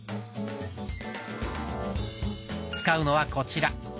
使うのはこちら。